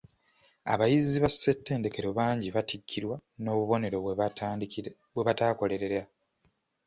Abayizi ba ssettendekero bangi batikkirwa n'obubonero bwe bataakolerera.